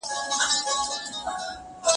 تازه ګلان